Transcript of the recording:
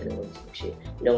kalau melihat pertandingan